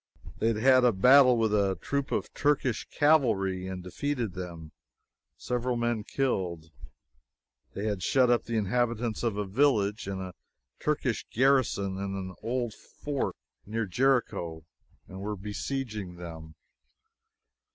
They had had a battle with a troop of Turkish cavalry and defeated them; several men killed. They had shut up the inhabitants of a village and a Turkish garrison in an old fort near Jericho, and were besieging them.